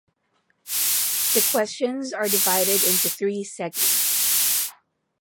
The questions are divided into three segments.